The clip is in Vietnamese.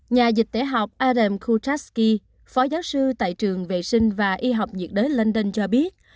nhà dịch tế học adam kucharski phó giáo sư tại trường vệ sinh và y học diệt đới london cho biết